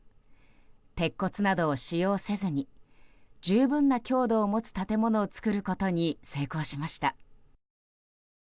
鉄骨などを使用せずに十分な強度を持つ建物を作ることに成功しました。